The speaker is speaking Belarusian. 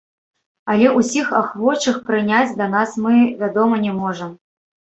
Але ўсіх ахвочых прыняць да нас мы, вядома, не можам.